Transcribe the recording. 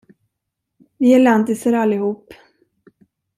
Vi är lantisar, allihop.